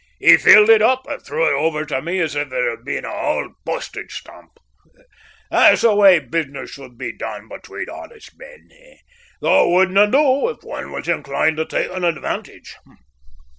He filled it up and threw it over to me as if it had been an auld postage stamp. That's the way business should be done between honest men though it wouldna do if one was inclined to take an advantage.